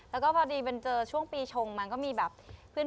แล้วก็พอดีเจอช่วงปีชงมันก็มีแบบ